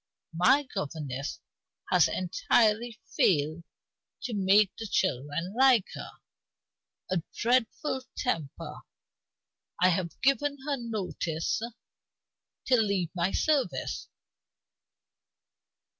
My governess has entirely failed to make the children like her. A dreadful temper; I have given her notice to leave my service.